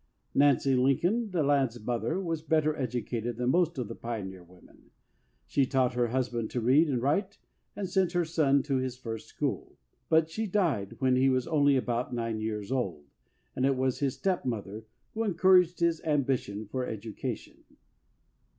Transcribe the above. Nancy Lincoln, the lad's mother, was bet ter educated than most of the pioneer women. She taught her husband to read and write and sent her son to his first school ; but she died when he was only about nine years old, and it was his step mother who encouraged his ambition for education.